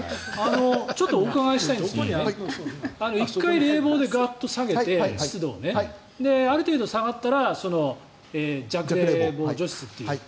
ちょっとお伺いしたいんですが１回冷房で湿度をガッと下げてある程度下がったら弱冷房除湿という。